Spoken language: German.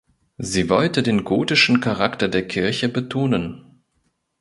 Sie wollte den gotischen Charakter der Kirche betonen.